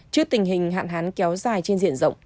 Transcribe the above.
trước tình hình hạn hán kéo dài trên diện rộng